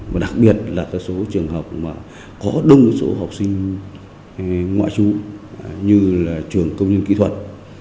và đặc biệt là các số trường hợp mà có đông số học sinh ngoại trú như là trường công nhân kỹ thuật